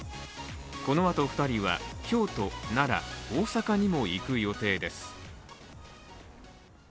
このあと２人は、京都、奈良、大阪にも行く予定です。